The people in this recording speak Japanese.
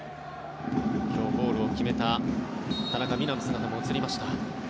今日、ゴールを決めた田中美南の姿も映りました。